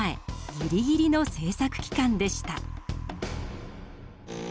ギリギリの制作期間でした。